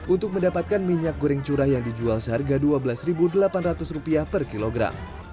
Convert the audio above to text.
untuk mendapatkan minyak goreng curah yang dijual seharga rp dua belas delapan ratus per kilogram